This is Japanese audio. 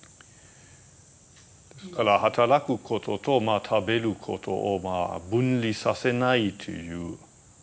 ですから働くことと食べることを分離させないという。